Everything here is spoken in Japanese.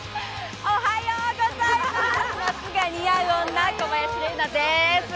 夏が似合う女、小林麗菜です。